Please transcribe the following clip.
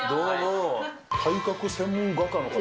体格専門画家の方？